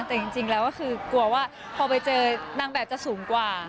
แต่จริงแล้วก็คือกลัวว่าพอไปเจอนางแบบจะสูงกว่า